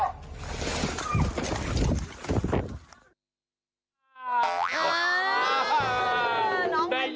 มาครั้งนี้มันจะมากินกินขนุนครับ